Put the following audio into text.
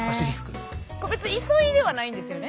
これ別に急いではないんですよね？